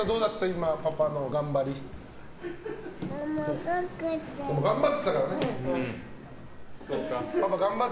今のパパの頑張り。